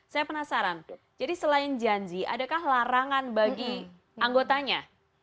saya penasaran jadi selain janji adakah larangan bagi anggotanya